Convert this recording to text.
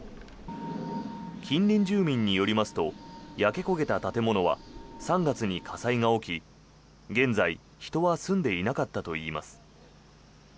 近隣住民によりますと焼け焦げた建物は３月に火災が起き現在、人は住んでいなかったといいます。